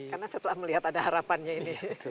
karena setelah melihat ada harapannya ini